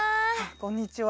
こんにちは。